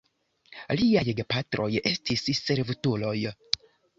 Liaj gepatroj estis servutuloj.